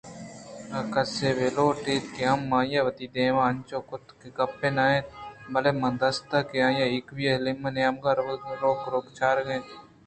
اگاں کسے ءَ بہ لوٹ اِتیں ہم آئی ءَ وتی دیم انچوش کُت کہ گپے نہ اَت بلئے ما دیست کہ آ یکوئی ایمیلیا ءِ نیمگ ءَ روک روک ءَ چارگ ءَ اِنت